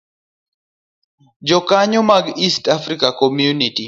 Jokanyo mag East African Community